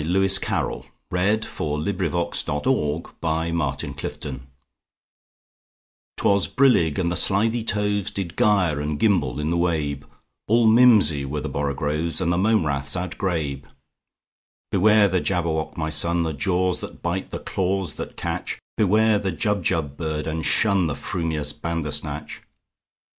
Lewis Carroll 1832–98 Jabberwocky CarrollL 'T WAS brillig, and the slithy tovesDid gyre and gimble in the wabe; All mimsy were the borogoves, And the mome raths outgrabe."Beware the Jabberwock, my son! The jaws that bite, the claws that catch! Beware the Jubjub bird, and shunThe frumious Bandersnatch!"